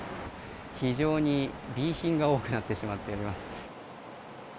非常にＢ品が多くなってしまっております。